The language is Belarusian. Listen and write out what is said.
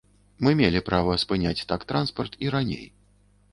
Мы мелі права спыняць так транспарт і раней.